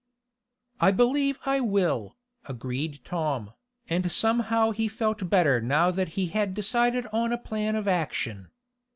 "I believe I will," agreed Tom, and somehow he felt better now that he had decided on a plan of action.